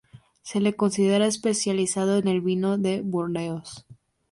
Se le considera especializado en el vino de Burdeos.